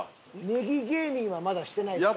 ネギ芸人はまだしてないですか？